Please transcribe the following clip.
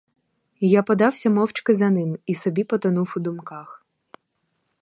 Я подався мовчки за ним і собі потонув у думках.